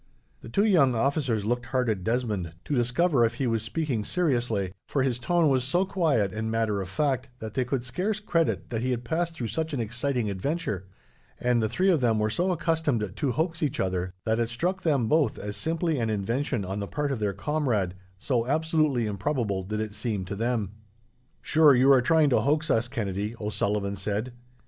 The two young officers looked hard at Desmond, to discover if he was speaking seriously, for his tone was so quiet, and matter of fact, that they could scarce credit that he had passed through such an exciting adventure; and the three were so accustomed to hoax each other, that it struck them both as simply an invention on the part of their comrade, so absolutely improbable did it seem to them. "Sure you are trying to hoax us, Kennedy," O'Sullivan said.